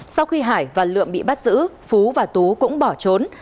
sau khi hải và lượm bị bắt giữ phú và tú cũng bỏ trốn